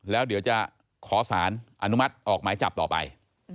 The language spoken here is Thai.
แล้วเดี๋ยวจะขอสารอนุมัติออกหมายจับต่อไป